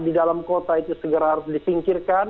di dalam kota itu segera harus disingkirkan